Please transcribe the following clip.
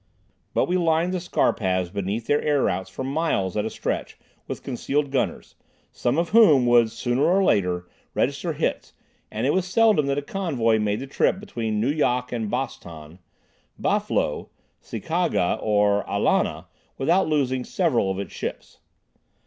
But we lined the scar paths beneath their air routes for miles at a stretch with concealed gunners, some of whom would sooner or later register hits, and it was seldom that a convoy made the trip between Nu Yok and Bos Tan, Bah Flo, Si ka ga or Ah la nah without losing several of its ships.